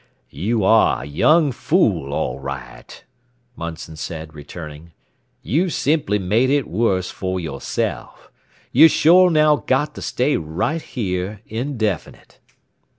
"You are a young fool, all right," Munson said, returning. "You've simply made it worse for yourself. You've sure now got to stay right here, indefinite.